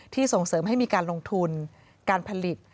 ส่งเสริมให้มีการลงทุนการผลิต